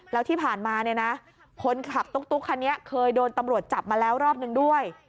แล้วที่ผ่านมาเนี่ยนะคนขับตุ๊กคันนี้เคยโดนตำรวจจับมาแล้วรอบนึงด้วย